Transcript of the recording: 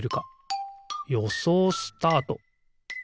よそうスタート！